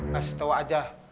kasih tahu aja